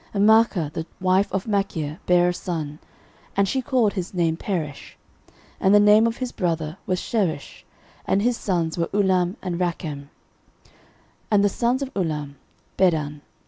13:007:016 And Maachah the wife of Machir bare a son, and she called his name Peresh; and the name of his brother was Sheresh; and his sons were Ulam and Rakem. 13:007:017 And the sons of Ulam; Bedan.